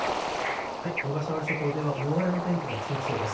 小笠原諸島では大荒れの天気が続きそうです。